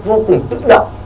vô cùng tự động